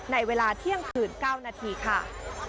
ในเวลาเที่ยงคืน๙นาทีค่ะ